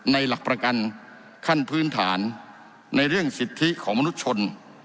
หลักประกันขั้นพื้นฐานในเรื่องสิทธิของมนุษยชน